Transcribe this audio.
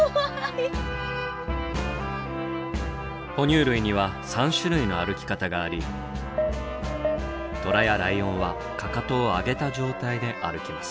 哺乳類には３種類の歩き方がありトラやライオンはかかとを上げた状態で歩きます。